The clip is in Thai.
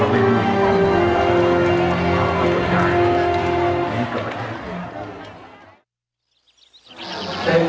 ห่วงทางดดังทาง